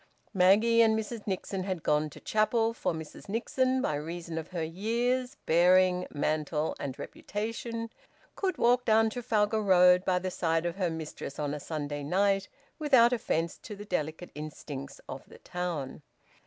Maggie and Mrs Nixon had gone to chapel, for Mrs Nixon, by reason of her years, bearing, mantle, and reputation, could walk down Trafalgar Road by the side of her mistress on a Sunday night without offence to the delicate instincts of the town.